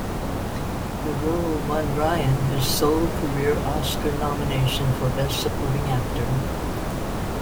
The role won Ryan his sole career Oscar nomination, for Best Supporting Actor.